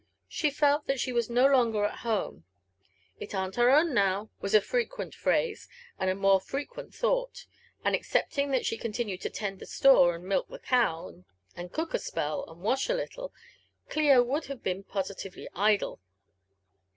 She felt that she was no longer at home —" Itarn't our own now/' was a frequent phrase, and a more frequent thought; and excepting that she continued to tend the store, and milk the cow, and cook a spell, and wash a little, Clio would havo been positively idle.